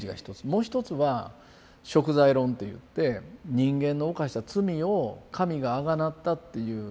もう一つは贖罪論といって人間の犯した罪を神があがなったっていう。